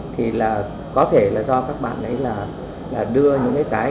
thì là có thể là do các bạn ấy là đưa những cái